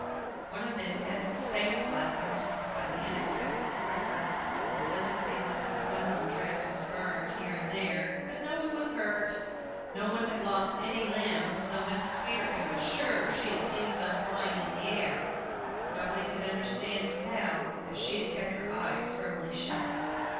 One of them had his face blackened by an unexpected cracker, and Elizabeth Eliza's muslin dress was burned here and there. But no one was hurt; no one had lost any limbs, though Mrs. Peterkin was sure she had seen some flying in the air. Nobody could understand how, as she had kept her eyes firmly shut.